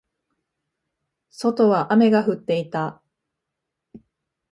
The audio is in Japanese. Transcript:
外は雨が降っていた。